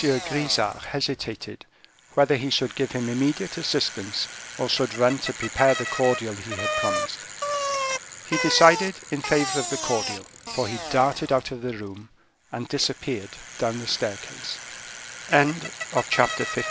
Grisart hesitated, whether he should give him immediate assistance, or should run to prepare the cordial he had promised. He decided in favor of the cordial, for he darted out of the room and disappeared down the staircase. Chapter LIII.